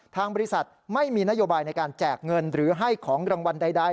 ทางบริษัทไม่มีนโยบายในการแจกเงินหรือให้ของรางวัลใด